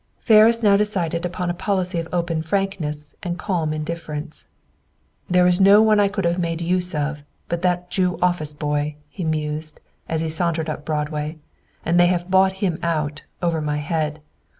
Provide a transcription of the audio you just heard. '" Ferris now decided upon a policy of open frankness and calm indifference. "There is no one I could have made use of, but that Jew office boy," he mused, as he sauntered up Broadway, "and they have bought him out, over my head.